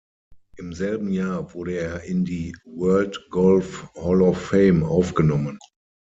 Im selben Jahr wurde er in die World Golf Hall of Fame aufgenommen.